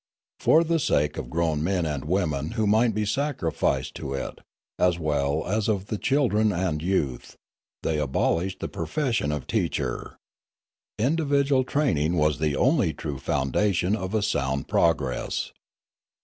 For the sake of the grown men and women who might be sacrificed to it, as well as of the children and youth, they abolished the profession of teacher. Individual training was the only true foundation of a sound progress.